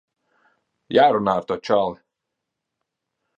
Jārunā ar to čali.